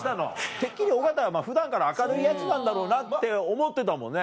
てっきり尾形は普段から明るいヤツなんだろうなって思ってたもんね。